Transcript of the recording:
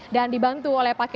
dan dibantu oleh pak ketua